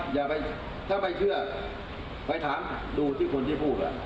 อย่าไปถ้าไม่เชื่อไปถามดูที่คนที่พูด